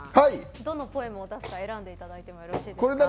どのポエムを出すか選んでいただいてもよろしいですか。